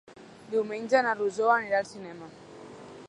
Diumenge na Rosó anirà al cinema.